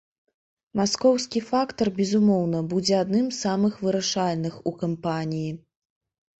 Маскоўскі фактар, безумоўна, будзе адным з самых вырашальных у кампаніі.